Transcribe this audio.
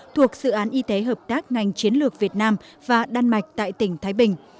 thuộc dự án y tế hợp tác ngành chiến lược việt nam và đan mạch tại tỉnh thái bình